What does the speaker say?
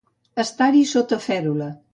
Estar-hi sota fèrula.